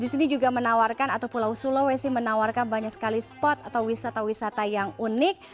di sini juga menawarkan atau pulau sulawesi menawarkan banyak sekali spot atau wisata wisata yang unik